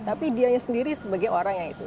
tapi dia sendiri sebagai orangnya itu